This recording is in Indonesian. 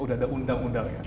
sudah ada undang undangnya